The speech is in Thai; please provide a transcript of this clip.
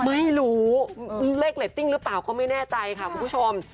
ไม่รู้เลขเรตติ้งหรือเปล่าก็ไม่แน่ใจค่ะคุณผู้ชม